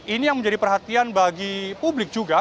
ini yang menjadi perhatian bagi publik juga